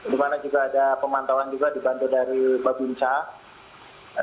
di mana juga ada pemantauan juga dibantu dari babinsa